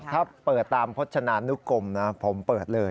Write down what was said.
ถ้าเปิดตามพจนานุกรมนะผมเปิดเลย